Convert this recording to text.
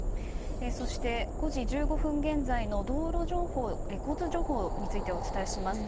そして、５時１５分現在の交通情報についてお伝えします。